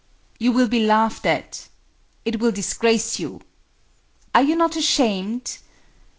"You will be laughed at," "It will disgrace you," "Are you not ashamed?"